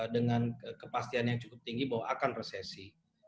dengan kepastian yang cukup tinggi bahwa akan resesi